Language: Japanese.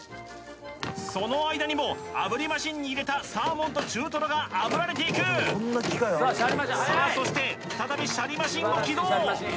その間にもあぶりマシンに入れたサーモンと中とろがあぶられていくさあそして再びシャリマシンを起動！